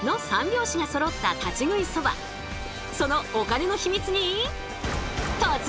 そのお金の秘密に突撃！